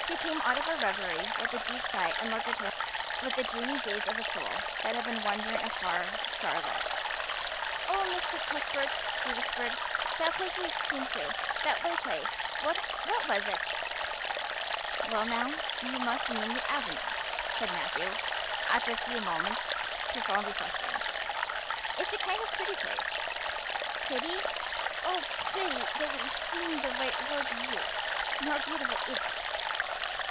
She came out of her reverie with a deep sigh and looked at him with the dreamy gaze of a soul that had been wondering afar, star led. "Oh, Mr. Cuthbert," she whispered, "that place we came through that white place what was it?" "Well now, you must mean the Avenue," said Matthew after a few moments' profound reflection. "It is a kind of pretty place." "Pretty? Oh, pretty doesn't seem the right word to use. Nor beautiful, either.